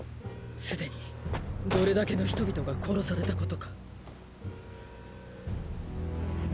既にどれだけの人々が殺されたことか。